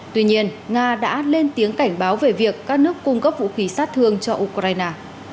tuy nhiên nga đã lên tiếng cảnh báo về việc các nước cung cấp vũ khí sát thương cho ukraine